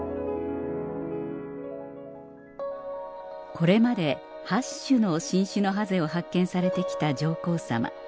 これまで８種の新種のハゼを発見されて来た上皇さま